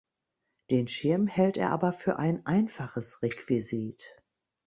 Den Schirm hält er aber für ein einfaches Requisit.